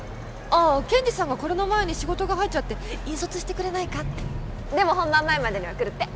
ああケンジさんがこれの前に仕事が入っちゃって引率してくれないかってでも本番前までには来るって